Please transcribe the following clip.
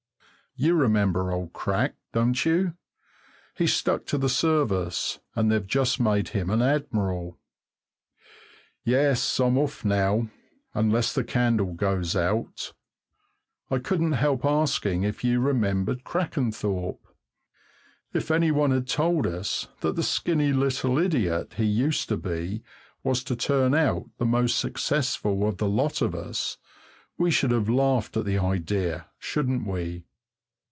You remember old Crack, don't you? He stuck to the Service, and they've just made him an admiral. Yes, I'm off now unless the candle goes out. I couldn't help asking if you remembered Crackenthorpe. If any one had told us that the skinny little idiot he used to be was to turn out the most successful of the lot of us, we should have laughed at the idea, shouldn't we?